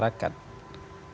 mas ahsan saya sudah berusaha